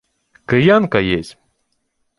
— Киянка єсмь.